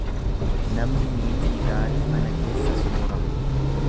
Namni niittii gaarii mana keessa soorama.